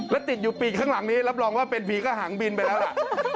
แล้วติดอยู่ปีกข้างหลังนี้รับรองว่าเป็นผีกระหังบินไปแล้วล่ะ